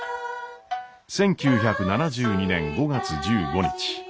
１９７２年５月１５日。